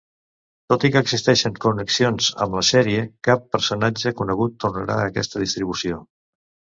Tot i que existeixen connexions amb la sèrie, cap personatge conegut tornarà aquesta distribució.